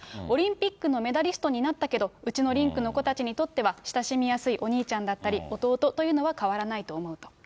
オリンピックのメダリストになったけど、うちのリンクの子たちにとっては、親しみやすいお兄ちゃんだったり、弟というのは変わらないと思うと。